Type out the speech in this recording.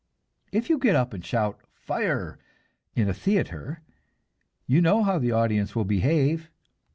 If you get up and shout fire in a theater, you know how the audience will behave.